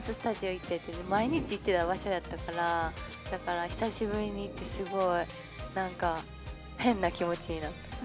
行ってって毎日、行ってた場所やったからだから、久しぶりに行ってすごい変な気持ちになった。